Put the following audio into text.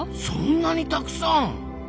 そんなにたくさん！